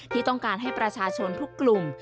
ที่ต้องการให้ประชาชนทุกกลุ่ม